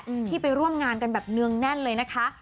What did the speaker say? อืมที่ไปร่วมงานกันแบบเนืองแน่นเลยนะคะ